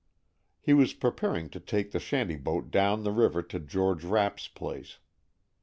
He was preparing to take the shanty boat down the river to George Rapp's place.